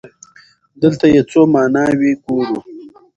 دلته يې څو ماناوې ګورو.